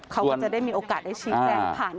เขาก็จะมีโอกาสได้ชี้แจง